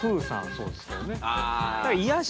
そうですけどね。